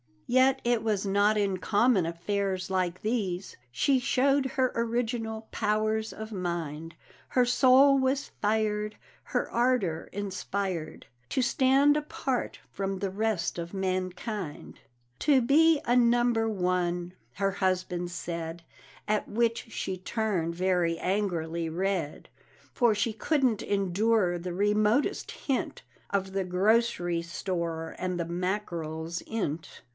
_ Yet it was not in common affairs like these She showed her original powers of mind; Her soul was fired, her ardor inspired, To stand apart from the rest of mankind; "To be A No. one," her husband said; At which she turned very angrily red, For she couldn't endure the remotest hint Of the grocery store, and the mackerels in't.